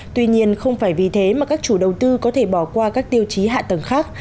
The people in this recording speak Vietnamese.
tuy nhiên không phải vì thế mà các chủ đầu tư có thể bỏ qua các tiêu chí hạ tầng khác